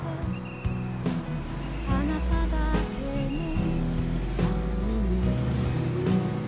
「あなただけのために」